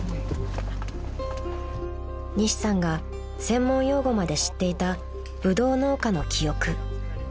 ［西さんが専門用語まで知っていたブドウ農家の記憶］